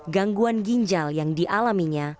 gangguan ginjal yang dialaminya